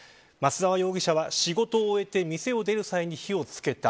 松沢容疑者は仕事を終えて店を出る際に火をつけた。